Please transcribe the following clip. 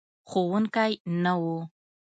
ښوونکی نه و.